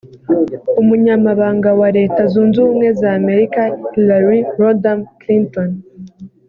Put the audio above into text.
Umunyamabanga wa Leta Zunze Ubumwe z’Amerika Hillary Rodham Clinton